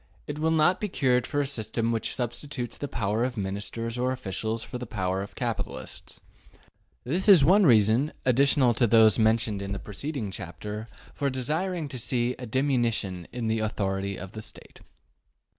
It will not be cured by a system which substitutes the power of Ministers or officials for the power of capitalists This is one reason, additional to those mentioned in the preceding chapter, for desiring to see a diminution in the authority of the State.